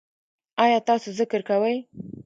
ایا تاسو ذکر کوئ؟